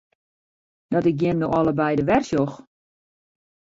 Dat ik jim no allebeide wer sjoch!